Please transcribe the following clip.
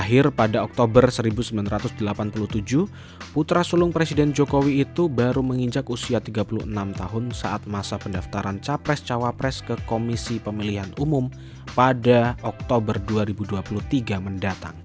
akhir pada oktober seribu sembilan ratus delapan puluh tujuh putra sulung presiden jokowi itu baru menginjak usia tiga puluh enam tahun saat masa pendaftaran capres cawapres ke komisi pemilihan umum pada oktober dua ribu dua puluh tiga mendatang